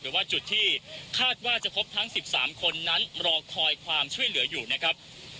หรือว่าจุดที่คาดว่าจะพบทั้ง๑๓คนนั้นรอคอยความช่วยเหลืออยู่นะครับ